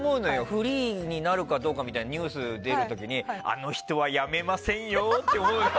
フリーになるかどうかみたいなニュースが出る時にあの人は辞めませんよって思うの？